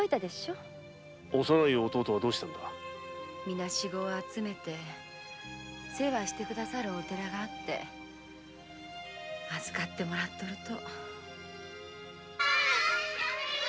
みなしごを集めて世話して下さるお寺に預かってもらっとると。